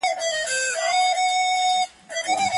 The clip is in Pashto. ځینې ویډیوګانې د کمرې پر زاویه ټینګ نه ښکاري.